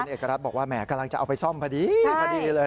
เอกรัฐบอกว่าแหมกำลังจะเอาไปซ่อมพอดีพอดีเลย